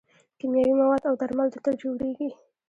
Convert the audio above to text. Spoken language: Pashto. کیمیاوي مواد او درمل دلته جوړیږي.